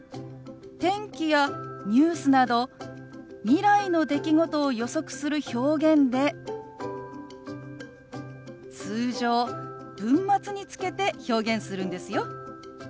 天気やニュースなど未来の出来事を予測する表現で通常文末につけて表現するんですよ。